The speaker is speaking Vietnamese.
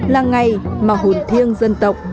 là ngày mà hồn thiêng dân tộc